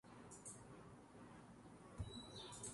The two circles will intersect in two points.